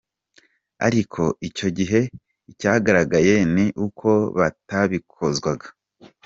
Ariko icyo gihe, icyagaragaye ni uko batabikozwaga!